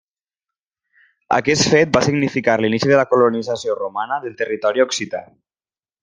Aquest fet va significar l'inici de la colonització romana del territori occità.